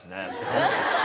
アハハハ！